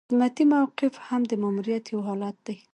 خدمتي موقف هم د مامور یو حالت دی.